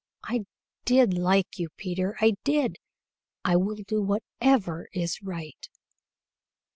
I did like you, Peter. I did! I will do whatever is right."